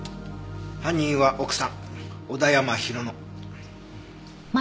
犯人は奥さん小田山浩乃。